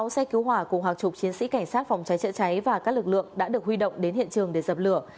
sáu xe cứu hỏa cùng hàng chục chiến sĩ cảnh sát phòng cháy chữa cháy và các lực lượng đã được huy động đến hiện trường để dập lửa